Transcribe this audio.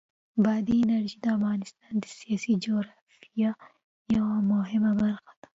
بادي انرژي د افغانستان د سیاسي جغرافیه یوه مهمه برخه ده.